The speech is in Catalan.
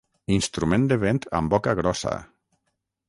Instrument de vent amb boca grossa.